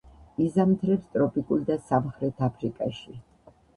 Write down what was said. იზამთრებს ტროპიკულ და სამხრეთ აფრიკაში.